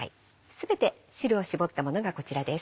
全て汁を搾ったものがこちらです。